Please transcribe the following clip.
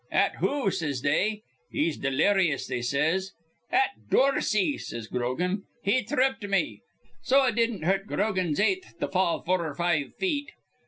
'At who?' says they. 'He's deliryous,' they says. 'At Dorsey,' says Grogan. 'He thripped me.' So it didn't hurt Grogan's eighth to fall four 'r five feet.